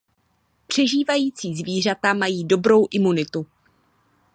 Přežívající zvířata mají dobrou imunitu.